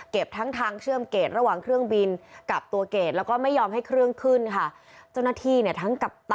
เก็บทั้งทางเชื่อมเกรดระหว่างเครื่องบินกับตัวเกรด